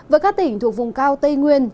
với các tỉnh thuộc vùng cao tây nguyên